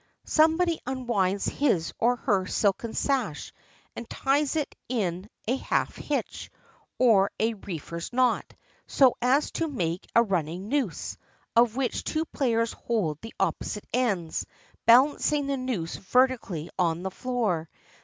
Somebody unwinds his or her silken sash, and ties it in a half hitch, or a reefer's knot, so as to make a running noose, of which two players hold the opposite ends, balancing the noose vertically on the floor.